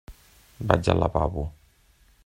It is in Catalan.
Vaig al lavabo.